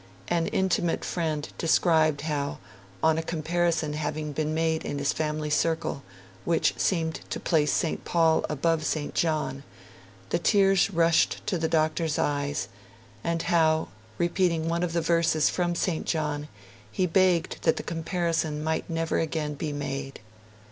An intimate friend described how 'on a comparison having been made in his family circle, which seemed to place St. Paul above St. John,' the tears rushed to the Doctor's eyes and how, repeating one of the verses from St. John, he begged that the comparison might never again be made.